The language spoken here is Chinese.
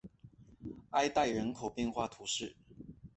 埃代人口变化图示